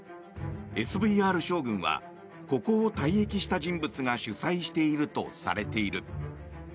ＳＶＲ将軍はここを退役した人物が主宰しているとされている。